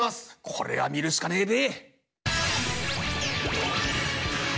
これは見るしかねえべ！